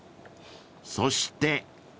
［そして］